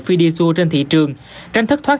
fiditur trên thị trường tranh thất thoát